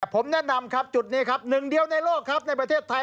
ผมแนะนำจุดนี้อีกหนึ่งเดียวในโลกในประเทศไทย